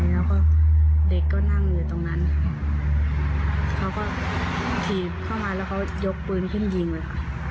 แล้วก็เด็กก็นั่งอยู่ตรงนั้นเขาก็ถีบเข้ามาแล้วเขายกปืนขึ้นยิงเลยค่ะ